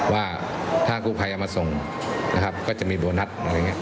ว่าถ้ากู้ภัยเอามาส่งนะครับก็จะมีโบนัสอะไรอย่างนี้